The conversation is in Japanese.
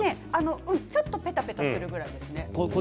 ちょっとぺたぺたするぐらいですね。